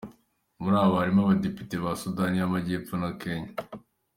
Muri abo harimo Abadepite ba Sudani y’Amajyepfo na Kenya.